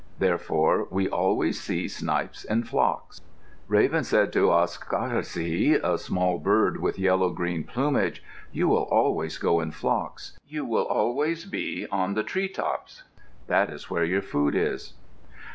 Therefore we always see snipes in flocks. Raven said to Asq aca tci, a small bird with yellow green plumage, "You will always go in flocks. You will always be on the tree tops. That is where your food is."